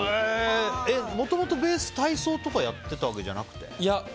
もともとベースは体操とかやってたわけじゃなくて？